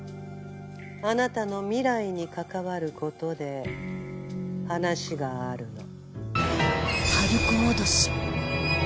あなたの未来に関わることで話があるの。